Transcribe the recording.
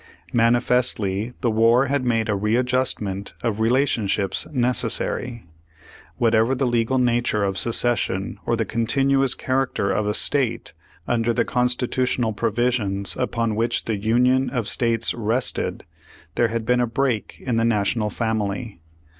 Manifestly the war had made a readjustment of relationships necessary. Whatever the legal nature of secession or the continuous character of a state, under the constitutional provisons upon which the Union of States rested, there had been Page One Hundred forty eight Page One HundreH forty nine a break in the National family.